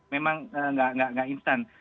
memang gak instan